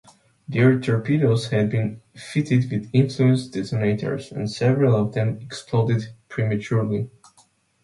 Their torpedoes had been fitted with influence detonators, and several of them exploded prematurely.